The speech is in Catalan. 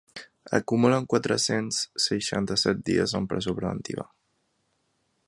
Acumulen quatre-cents seixanta-set dies en presó preventiva.